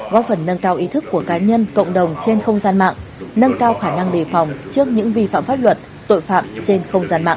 góp phần nâng cao ý thức của cá nhân cộng đồng trên không gian mạng nâng cao khả năng đề phòng trước những vi phạm pháp luật tội phạm trên không gian mạng